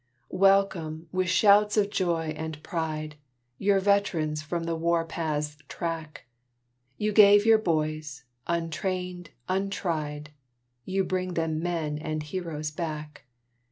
Welcome, with shouts of joy and pride, Your veterans from the war path's track; You gave your boys, untrained, untried; You bring them men and heroes back!